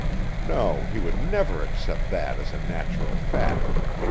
No, he would never accept that as a natural fact.